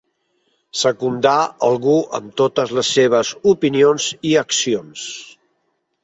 Secundar algú en totes les seves opinions i accions.